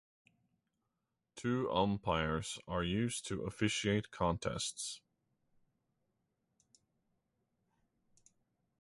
Two umpires are used to officiate contests.